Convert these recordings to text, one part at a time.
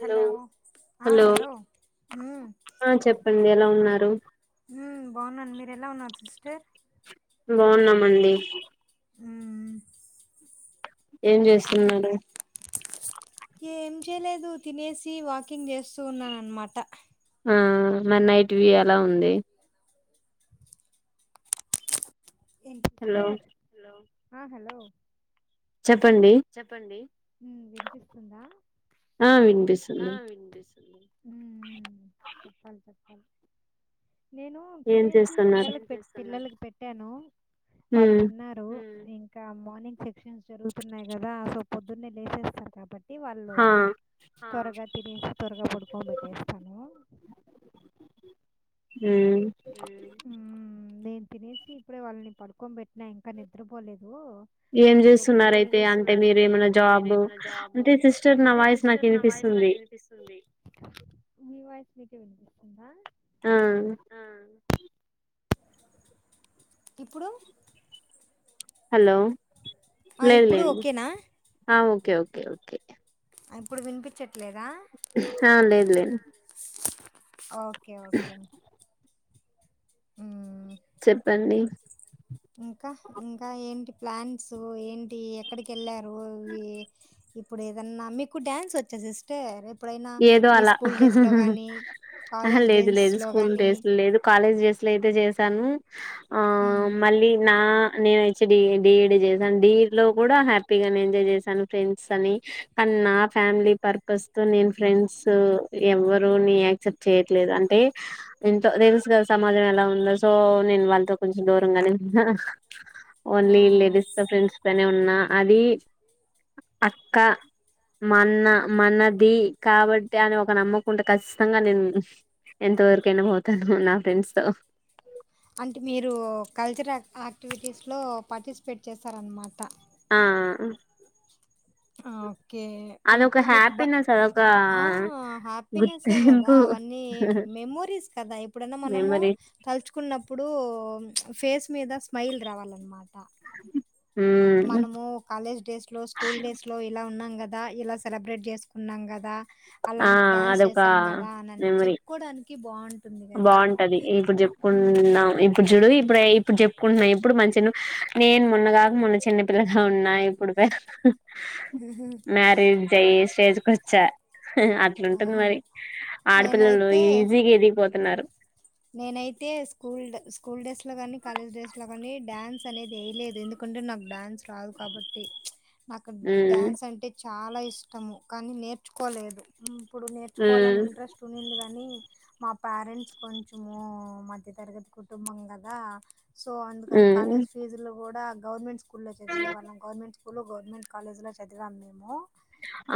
Hello ఆ hello హ్ ఆ చెప్పండి ఎలా ఉన్నారు హ్ బాగున్నాను మీరు ఎలా ఉన్నారు సిస్టర్ బాగున్నామండి ఉమ్ ఏం తి చేస్తున్నారు. ఏం చేయలేదు తినేసి వాకింగ్ జేస్తూ ఉన్నానన్నమాట ఆ మరి నైట్ వ్యూ ఎలా ఉంది. హలో హలో ఆ హలో చెప్పండి చెప్పండి ఆ ఆ వినిపిస్తుంది వినిపిస్తుంది. హ్ చెప్పాలి చెప్పల్ నేను ఏం తినేసి చేస్తున్నారు పిల్లలక్ పె పిల్లలకి పెట్టాను వాళ్ళు ఉమ్ తిన్నారు ఇంకా మార్నింగ్ సెక్షన్స్ జరుగుతంది న్నాయి కదా సో పొద్దున్నే లేసేస్తారు కాబట్టి వాళ్ళు హా త్వరగా తినేసి త్వరగా పడుకొ పెెట్టేస్తాను ఉమ్ మ్మ్. నేను తినేసి ఇప్పుడే వాళ్ళని పడుకొనిబట్టినా ఇంకా నిద్రపోలేదు ఏం అంటే చేస్తున్నారయితే అంటే మీరు ఏమైనా మీ జాబ్ ఏ జా అంటే సిస్టర్ నా అంటే వాయిస్ నాకు సిస్టర్ నాయి వినిపిస్తుంది నాకునిపిస్తుంది వినిపికుందా ఆ ప్పుడు హలో లేండి ఇప్పుడు లేండిడి ఓకేనా ఓకే ఓకే ఓకే ఓకే ఇప్పుడు వినిపించట్లేదా ఆ లేదు లేదు ఓకే ఓకే ఓకే ఉ చెప్పండి ఇంకా ఇంకా ఏంటి ప్లాన్స్ ఏంటి ఎక్కడికి యెళ్ళారు ఇవి ఇప్పుడు ఏదన్నా మీకు డ్యాన్స్ వచ్చా సిస్టర్ రేపు ఏదో అలా కాలేజ్ లేదు లేదు డేస్లో స్కూల్ కానీ డ్రస్లు లేదు కాలేజ్ డ్రెస్లు అయితే చేస్త తను ఆ మళ్ళీ నా నేను వచ్చి డిఈడ్ డిఈడి చేశాను. డీఈడ్ లో కూడా హ్యాపీగా ఎంజాయ్ చేశాను ఫ్రెండ్స్ అని కానీ నా ఫ్యామిలీ పర్పస్ తో నేను ఫ్రెండ్స్ ఎవ్వరు ను యాక్సెప్ట్ చేయట్లేదు. అంటే ఎంతో తేల్స్గా సమాజం ఎలా ఉందో సో నేను వాళ్ళతో కొంచెం దూరంగానే వుంటున్నాను. ఓన్లీ లేడీస్ ద ఫ్రెండ్స్ తోనే ఉన్నా అది అక్క మన్న మనది. కాబట్టి అని ఒక నమ్మకుంటే ఖచ్చితంగా నేను ఎంతవరకైనబోతాను నా ఫ్రెండ్స్ తో అంటే మీరు కల్చర యాక్టివిటీస్లో పార్టిసిపేట్ చేస్తారన్నమాట ఆ అదొక హ్యాపీనెస్ అదొక ఆ హ్యాపీనెసే కదా గుర్తింపు అవన్నీ మెమోరీస్ కదా ఇప్పుడనా మనము మెమరీ తలుచుకున్నప్పుడు ఫేస్ మీద స్మైల్ రావాలన్నమాట [inaudible] మనము కాలేజ్ డేస్ లో స్కూల్ డేస్ లో ఇలా ఉన్నాం. కదా ఇలా సెలబ్రేట్ చేసుకున్నాం కదా ఆ అదొక అనని మెమరీ చెప్పుకోడానికి బావుంటుంది గదా! బాగుంటది ఇప్పుడు హ్మ్. చెప్పుకుంటున్నాం ఇప్పుడు చూడు ఇప్పుడు ఇప్పుడు చెప్పుకుంటున్నాం ఇప్పుడు మంచిగా నేను మొన్నగాక మొన్న చిన్నపిల్లగా ఉన్నా ఇప్పుడు మ్యారిజ్ అయి స్టేజ్ కోచ్చ అట్లాంటుంది ఆహా! మరి ఆడపిల్లలు నేనైతే ఈజీగా ఎదిగిపోతు తిన్నారు నేనైతే స్కూల్డడ్ స్కూల్ డ్రెస్లో కాని కాలేజ్ డ్రెస్ లో కాని డ్యాన్స్ అనేది వేయలేదు ఎందుకంటే నాకు డ్యాన్స్ రాదు కాబట్టి అక్కడ ఉమ్ డ్యాన్స్ అంటే చాలా ఇష్టము కానీ నేర్చుకోలేదు. ఇప్పుడు నేర్చుకోవాలని ఉమ్ ఇంట్రెస్ట్ ఉంది. కానీ కానీ మా పేరెంట్స్కి కొంచము మధ్యతరగతి కుటుంబంకదా సో అందుకని ఉమ్ కాలేజ్ ఫీజులు కూడా గవర్మెంట్ స్కూల్ స్కూల్లో చదివేవాళ్ళం గవర్మెంట్ స్కూల్ గవర్నమెంట్ కాలేజ్ లో చదివాం మేము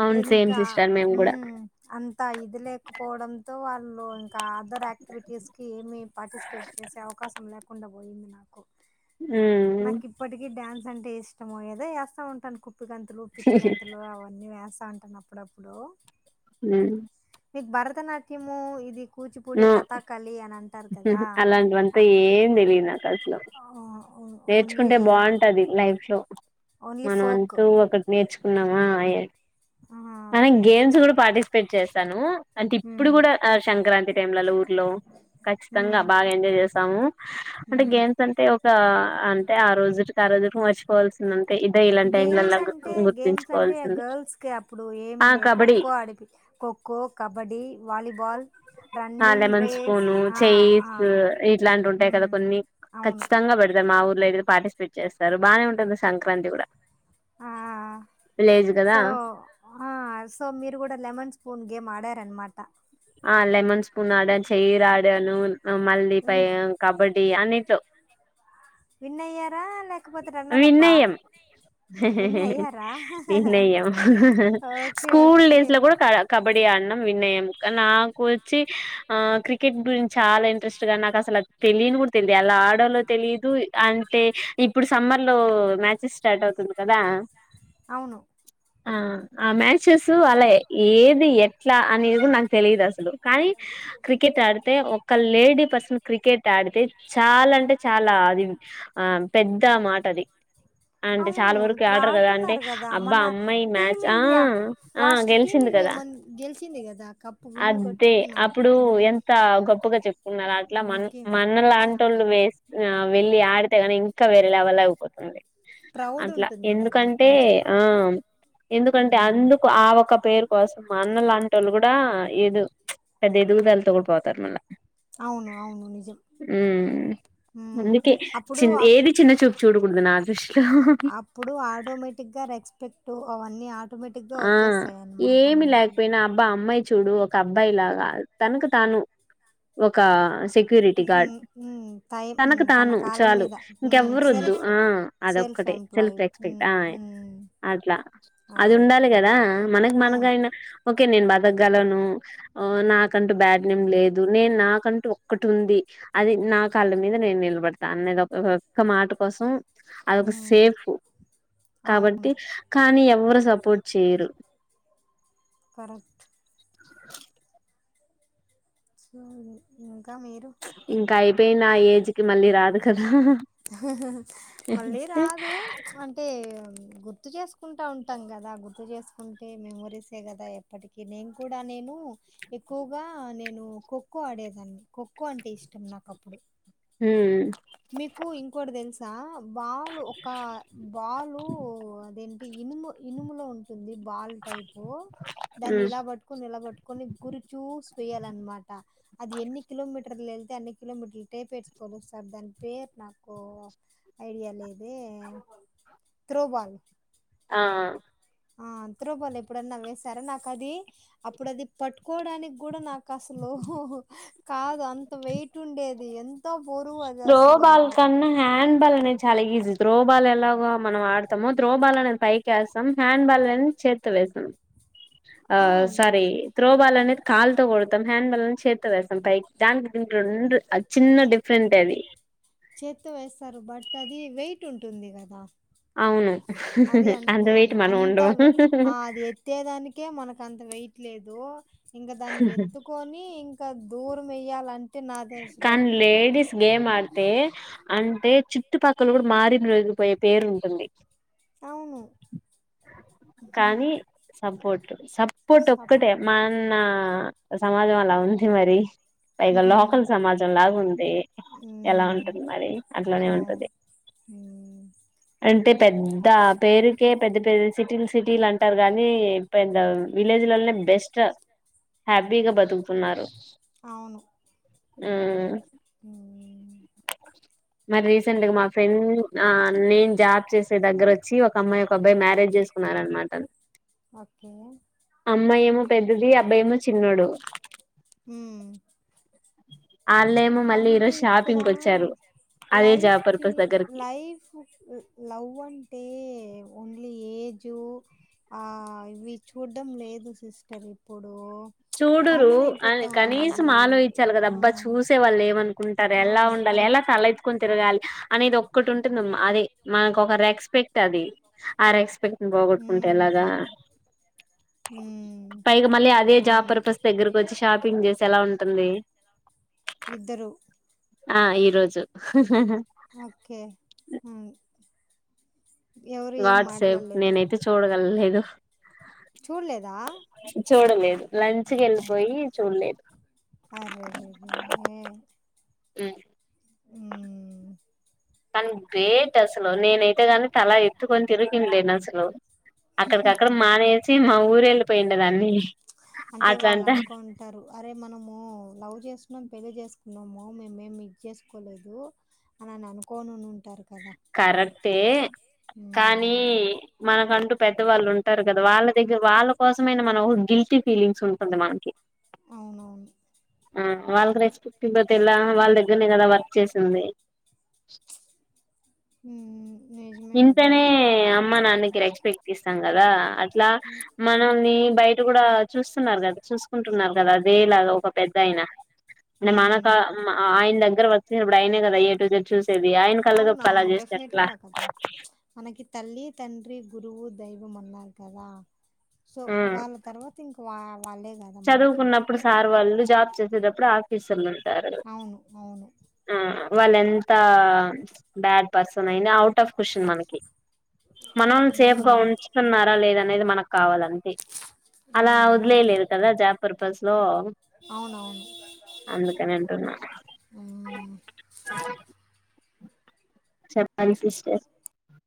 అవును సేమ్ ఇంకా సిస్టర్ మేము కూడా ఉమ్ అంతే అంత ఇది లేకపోవడంతో వాళ్ళు అదర్క్టివిటీ కిడ్స్ కి ఏమి పార్టిసిపేట్ చేసే అవకాశం లేకుండా పోయింది నాకు ఉమ్ నాకు ఇప్పటికి డాన్స్ అంటే ఇష్టమో ఏదో చేస్తా ఉంటాను కు ఉప్పు గంతులు పిచ్చి గంతులు అవన్నీ వేస్త అ అంటున ఆప్పుడప్పుడు ఊ మీకు భరత నాట్యము ఇది కు కూచిపుడి నో క వాలీ అలాంటివంతా ఏం తెలిదు నాకు అసలు ఓన్లీ నేర్చుకుంటే బాగుంటది లైఫ్ లో ఓన్లీ మనం ఫోక్ అంటూ ఒకటి నేర్చు కున్నామా అయే అ ఓకే గేమ్స్ కూడా పార్టిసిపేట్ చేస్తాను అంటే ఇప్పుడు కూడా సంక్రాంతి టైమ్లలో ఊర్లో ఖచ్చితంగా బాగా ఎంజాయ్ చేస్తాము అంటే గేమ్స్ అంటే ఒక అంటే ఆ రోజుటికి ఆ రోజుటికి మర్చిపోవాల్సింది అంతే ఇదే ఇలాంటి గేమ్స్ టైంలలా అంటే గేమ్స్ అంటే గుర్తుంచుకోవాల్సింది గర్ల్స్కి అప్పుడు ఆ ఏమి కబడ్డీ ఖోఖో ఆడిపి ఖోఖో, కబడ్డీ, వాలీబాల్ బాల్ ఆ లెమన్ స్పూను ఆ చైర్స్ ఇట్లాంటి ఉంటాయి కదా ఉమ్ కొన్ని అవును ఖచ్చితంగా పేడుతుయి మా ఊర్లోతే పార్టిసిపేట్ చేస్తారు బాగానే ఉంటుంది సంక్రాంతి కూడా ఆ విలేజ్ కదా సో సో మీరు కూడా లెమన్ స్పూన్ గేమ్ ఆడారు అనమాట ఆ లెమన్ స్పూన్ ఆడను చైర్ ఆడను మళ్ళీ వి పై కబడ్డీ అన్నిట్లో విన్ అయ్యారా లేకపోతే రన్నర్ అప్ విన్ ఆ అయ్యాం విన్ అయ్యారా విన్ అయ్యాం ఓకే స్కూల్ ఓకే డేస్ లో కూడా క కబడ్డీ ఆడినాం విన్ అయ్యాం నాకు వచ్చి ఆ క్రికెట్ గురించి చాలా ఇంట్రెస్ట్గా నాకు అసలు తెలియని కూడా తెలియదు ఎలా ఆడాలో తెలిదు అంటే ఇప్పుడు సమ్మర్ లో మ్యాచెస్ స్టార్ట్ అవుతుంది కదా అవును ఆ ఆ మ్యాచెస్ అలా ఏది ఎట్లా అనేది కూడా నాకు తెలియదు అసలు కానీ క్రికెట్ ఆడితే ఒక లేడీ పర్సన్ క్రికెట్ ఆడితే చాలా అంటే చాలా అది ఆ పెద్ద ఇంత మాట అది అంటే అవును చాలా వరకు ఇప్పుడు ఆడరు కదా అంటే ఆడుతున్నారు కదా అబ్బా మన అమ్మాయి టీమ్ మ్యాచ్ ఆ ఇండియా ఆ లాస్ట్ టీమ్ గెలిచింది. ఇండియా కదా మన గెలిచింది కదా కప్పు విన్ అదే కొట్టుకున్నాం అప్పుడు ఉమ్, ఎంత గొప్పగా చెప్పుకున్నారు. అట్లా మన ఇంకేం మన చా లాంటి వాళ్ళు వే వెళ్లి ఆడుతే గాని ఇంకా వేరే లెవల్ ఐపోతుంది ప్రౌడ్ అట్లా ఉంటుంది కదా ఎందుకంటే కొంచెం ఆ ఎందుకంటే ఉమ్, అందుకు ఆ ఒ పేరు కోసం అన్న లాంటి వాళ్ళు కూడా ఏదు పెద్ద ఎదుగుదలతో కూడిపోతారు మళ్ళా అవును అవును నిజం ఉమ్, ఉమ్ అందుకే అప్పుడు చి ఆ- ఏది చిన్న చూపు చూడకూడదు నా దృష్టిలో అప్పుడు ఆటోమేటిక్ గా రెక్స్పెక్ట్ టు అవన్నీ ఆ ఆ ఏమి లేకపోయినా అబ్బా అమ్మాయి చూడు ఒక అబ్బాయి లాగా తనకు తాను ఒక సెక్యూరిటీ గార్డ్ ఉమ్, ఉమ్, తై తనకు ఉమ్, తన తాను కాలం చాలు మీద ఇంకెవ్వరు వద్దు సెల్ఫ్ ఆ సెల్ఫ్ అదొక్కటే సెల్ఫ్ ఎంప్లాయీ రెస్పెక్ట్ అట్లా అది అదే ఉండ అదే కదా మనకు అవును మనదైన ఓకే నేను బతకగలను నాకంటూ బ్యాడ్ నేమ్ లేదు నేను నాకంటూ ఒక్కటి ఉంది అది నా కాళ్ళ మీద నేను నిలబడతా అన్నది ఒక్క మాట కోసం అదొక ఉమ్ సేఫ్ కాబట్టి అవును కానీ ఎవరు సపోర్ట్ చేయరు కరెక్ట్ [inaudible] సరే ఇంకా మీరు పోయి నా ఏజ్ కి మళ్ళీ రాదు కదా మళ్ళీ రాదు అంటే గుర్తు చేసుకుంటూ ఉంటాం కదా గుర్తు చేసుకుంటే మెమోరీసే కదా ఎప్పటికీ నేను కూడా నేను ఎక్కువగా నేను ఖోఖో ఆడేదాన్ని ఖోఖో అంటే ఇష్టం నాకుప్పుడు మ్... మీకు ఇంకోటి తెలుసా బాలు ఒక బాలు దేని ఇనుము ఇనుములో ఉంటుంది బాల్ టైపో దాన్ని హ్మ్ ఇలా పట్టుకొని ఇలాపట్టుకొని గురిచూ చేయ్యాలన్నమాట అది ఎన్ని కిలోమీటర్లు వెళ్తే అన్ని కిలోమీటర్లు టేపేర్చుకోనీ సార్ దానికి పేరు నాకు ఐడియా లేదు త్రోబాల్ ఆ.. ఆ.. ఆ త్రో బాల్ ఎప్పుడన్నా వేసారా నాకు అది, అప్పుడు అది పట్టుకోవడానికి కూడా నాకు అసలు కాదు అంత వెయిట్ ఉండరు ఇంకా బోర్ వేయస్ ఫుట్ బాల్ కన్నా హ్యాండ్ బాల్ నే చాలా ఈజీ త్రో బాల్ ఎలాగో మనం ఆడతామో త్రో బాల్ అనేది పైకి వేస్తాం హ్యాండ్ బాల్ అనేది చేత్తో వేస్తాం ఆ సారీ త్రో బాల్ అనేది కాళ్తో కొడతాం హ్యాండ్ బాల్ చేత్తో వేస్తాం పై దానికి దీనికి రెండు చిన్న డిఫ చేత తో వేస్తారు బట్ అది వెయిట్ ఉంటుంది కదా అవును అది అంత వెయిట్ అంటున్నాను మనం అంత ఉండము అవె అది ఎత్తెదానికే మనకు అంత వెయిట్ లేదో ఇంకా దాన్ని ఎత్తుకోని ఇంకా దూర్ మెయ్యాలంటే కానీ లేడీస్ గేమ్ ఆడితే తే... అంటే చుట్టుపక్కల కూడా మారి మ్రొగిపోయే పేరు ఉంటుంది అవును ఉహుహు. కానీ సపోర్ట్ సబ్ పుట సప్ ఒక్కటే మా అన్న సమాజం అలా ఉంది మరి పైగల సమాజం లాగా ఉంది ఎలా మ్మ్ ఉంటుంది మరి అట్లానే అవును ఉంటుది మ్మ్ అంటే పెద్ద పేరుకే పెద్ద పెద్ద సిటీలు సిటీలు అంటారు కానీ పెద్ద విలేజ్ లోళ్ళె బెస్ట్ హ్యాపీగా బతుకుతున్నారు అవును మ్ మ్ మరి రీసెంట్ గా మా ఫ్రెండ్ ఆ నేను జాబ్ చేసే దగ్గర వచ్చి ఒక అమ్మాయి ఒక అబ్బాయి వచ్చి మ్యారేజ్ చేసుకున్నార అనమాట ఓకే అమ్మాయెమో పెద్దది అబ్బాయేమో చిన్నోడు మ్మ్ అ అంటే ఇక్కడ అదే లైఫ్ జాబ్ కి పర్పస్ దగ్గరకి లైఫ్ లవ్ అంటే ఓన్లీ ఏజ్ ఆ ఇవి చూడ్డడం లేదు సిస్టర్ ఇప్పుడు చూడురు కామన్ అని అయిపోతా ఉంది కనీసం అది ఆలోచిచ్చాలి కదా ఆ అబ్బా చూసె వాళ్ళు ఏమనుకుంటారు ఎలా అవును ఉండాలి ఎలా కరెక్ట్ తల ఎత్తుకొని తిరగాలి అనేది ఒక్కటి ఉంటుందిమ్మా అది మనకు ఒక రెస్పెక్ట్ అది ఆ రెస్పెక్ట్ బాగొట్టుకుంటే ఎలాగా మ్.. అవును దగ్గకు వచ్చి షాపింగ్ చేసా ఎలా ఉంటుంది ఇద్దరు ఆ ఈ రోజు ఓకే. మ్.. వాట్సాప్ నేనైతే చూడగలలేదు చూడు లేదా చూడలేదు లంచ్కి వెళ్ళిపోయి చూడలేదు అరెరెరే ఉం అ కానీ గ్రేట్ అసలు నేనైతే కానీ తలా ఎత్తుకొని తిరికిందిలేేను అసలు అక్కడికక్కడ మానేసి మా ఊరు వెళ్ళ పోయింట నన్నీ అంటే వాళ్ళు అనుకుంటారు అరే మనము లవ్ చేసుకున్నాం పెళ్లి చేసు న్నామో మేమేం మిస్ చేసుకోలేదు అన అని అనుకోని ఉంటారు కదా కరెక్టే కానీ ఉమ్ మనకంటూ పెద్దవాళ్ళు ఉంటారు కదా వాళ్ళ దగ్గర వాళ్ళ కోసమైనా మనం గిల్టీ ఫీలింగ్స్ ఉంటుంది మనకి అవునవును ఆ వాళ్ళకి రెస్పెక్ట్ ఇపోతే ఎలా వాళ్ళ దగ్గరనే కదా వర్క్ చేసింది ఉం ఇంతనే అమ్మా నాన్నకి రెచ్ పెక్ట్ ఇస్తాం కదా లా మనల్ని బయ కూడా చూస్తున్నారు కదా చూసుకుంటున్నారు కదా అదేలాగ ఒక పెద్ద ఆయిన అంటే ఉమ్ మనక ఆయన దగ్గ ందరూ వచ్చినప్పుడు ఆయనే కదా ఎ టు జడ్ చూస్ ది ఆయన కళ్ళ గొప్ప అలా అవునవును చేస్తె ఎట్లా డెఫినెట్గా కదా మనకి తల్లి తండ్రి గురువు దైవం అన్నారు కదా సో ఉమ్ వాళ్ళ తర్వాత ఇంక్ వావ్ చదువుకున్నప్పుడు సార్ వాళ్ళు జా చేసేటప్పుడు ఆఫిస్ ఉన్నయ్ అవును అవును ఉం వాళ్ళఎంత బ్యాట్ పర్సన్ అయినా అవ్ మనం సేఫ్ గా ఉమ్ ఉంచుతున్నారా లేదా అనేది మనకు కావాలని అలా ఉమ్ వద్లేయలేదు ఆ పర్పస్ లో అవునవును అందుకనింటున్నా ఉమ్. చెప్పని సిస్టర్